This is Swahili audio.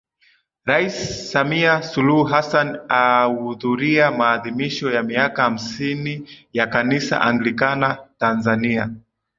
Rais Samia Suluhu Hassan ahudhuria Maadhimisho ya Miaka hamsini ya Kanisa Anglikana Tanzania